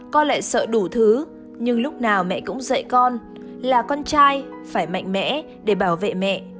con lại sợ đủ thứ nhưng lúc nào mẹ cũng dạy con là con trai phải mạnh mẽ để bảo vệ mẹ